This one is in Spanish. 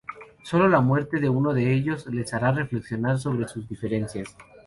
Sólo la muerte de uno ellos les hará reflexionar sobre sus diferencias.